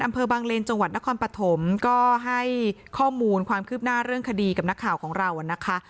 อำเภอบางเลนจังหวัดนครปฐมก็ให้ข้อมูลความคืบหน้าเรื่องคดีกับนักข่าวของเรานะคะ